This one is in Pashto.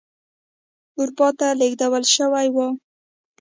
اروپا ته لېږدول شوي وای.